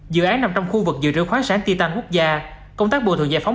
dự án nằm trong khu vực giữa rượu khoáng sáng titan quốc gia công tác bùa thuận giải phóng